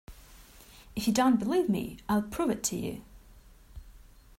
If you don't believe me, I'll prove it to you!